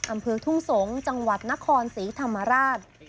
อำเภอทุ่งสงศ์จังหวัดนครศรีธรรมราช